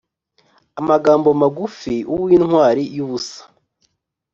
amagambo magufi uwintwari y‘ubusa